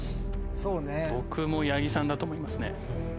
僕も八木さんだと思いますね。